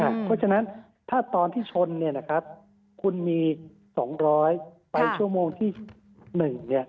เพราะฉะนั้นถ้าตอนที่ชนเนี่ยนะครับคุณมีสองร้อยไปชั่วโมงที่หนึ่งเนี่ย